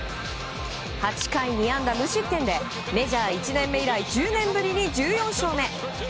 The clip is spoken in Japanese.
８回２安打無失点でメジャー１年目以来１０年ぶりに１４勝目。